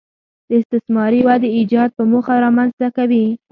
د استثماري ودې ایجاد په موخه رامنځته کوي